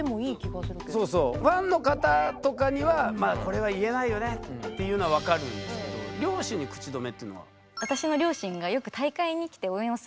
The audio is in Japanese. ファンの方とかにはこれは言えないよねっていうのは分かるんですけど両親に口止めっていうのは？